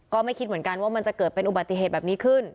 ก็ไม่คิดเหมือนกันว่ามันจะเกิดเป็นอุบัติเหตุแบบนี้ขึ้น